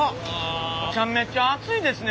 めちゃめちゃ暑いですね